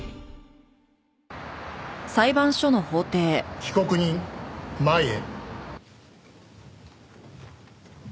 被告人前へ。